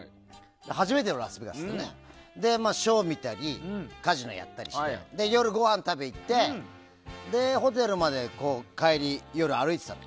初めてのラスベガスでショーを見たりカジノをやったり夜、ごはんを食べに行ってホテルまで帰り夜歩いていたの。